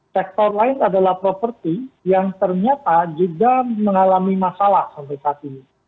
sektor lain adalah properti yang ternyata juga mengalami masalah sampai saat ini